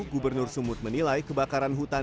gubernur sumut menilai kebakaran hutan